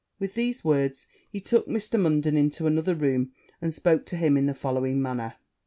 With these words he took Mr. Munden into another room, and spoke to him in the following manner.